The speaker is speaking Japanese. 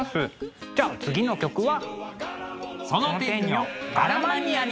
じゃあ次の曲は。